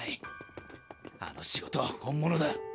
あの仕事は本物だ。